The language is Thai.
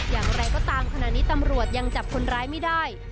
อย่างไรก็ตามขณะนี้ตำรวจยังจับคนร้ายไม่ได้